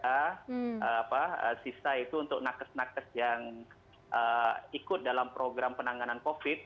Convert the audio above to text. apa sisa itu untuk nakes nakes yang ikut dalam program penanganan covid